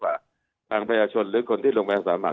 กับทางพยาชนหรือคนที่ลงไปสามหัก